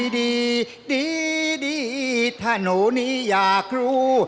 ดีดีถ้าหนูนี้อยากรู้